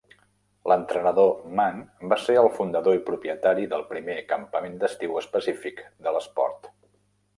L'entrenador Mann va ser el fundador i propietari del primer campament d'estiu específic de l'esport.